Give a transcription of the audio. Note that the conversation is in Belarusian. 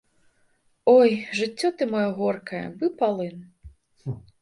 Ой, жыццё ты маё горкае, бы палын!